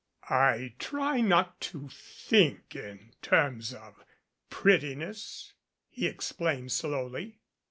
"I try not to think in terms of prettiness," he ex plained slowly.